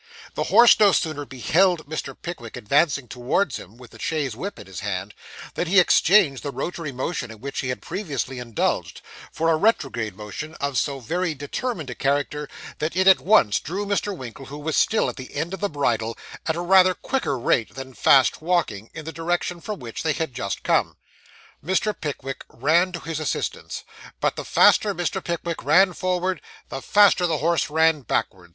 The horse no sooner beheld Mr. Pickwick advancing towards him with the chaise whip in his hand, than he exchanged the rotary motion in which he had previously indulged, for a retrograde movement of so very determined a character, that it at once drew Mr. Winkle, who was still at the end of the bridle, at a rather quicker rate than fast walking, in the direction from which they had just come. Mr. Pickwick ran to his assistance, but the faster Mr. Pickwick ran forward, the faster the horse ran backward.